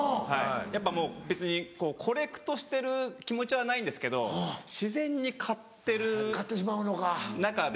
やっぱもう別にコレクトしてる気持ちはないんですけど自然に買ってる中で。